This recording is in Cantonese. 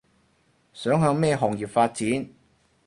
想向咩行業發展